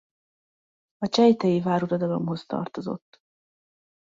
A csejtei váruradalomhoz tartozott.